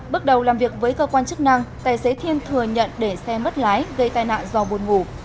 bước đầu làm việc với cơ quan chức năng tài xế thiên thừa nhận để xe mất lái gây tai nạn do buồn ngủ